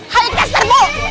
hayu keser bu